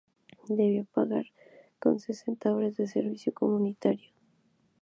Debió pagar con setenta horas de servicio comunitario.